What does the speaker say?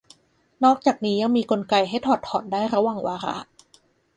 นอกจากนี้ยังมีกลไกให้ถอดถอนได้ระหว่างวาระ